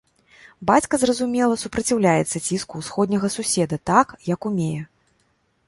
Бацька, зразумела, супраціўляецца ціску ўсходняга суседа так, як умее.